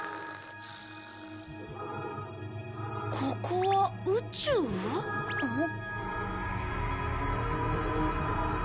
ここは宇宙？ん？